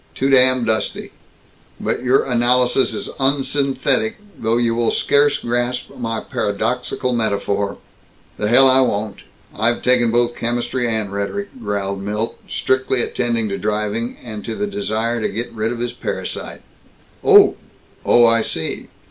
Too damn dusty. But your analysis is unsynthetic, though you will scarce grasp my paradoxical metaphor." "The hell I won't. I've taken both chemistry and rhetoric," growled Milt, strictly attending to driving, and to the desire to get rid of his parasite. "Oh! Oh, I see.